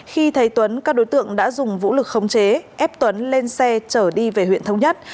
khi thấy tuấn các đối tượng đã dùng vũ lực khống chế ép tuấn lên xe chở đi về huyện thống nhất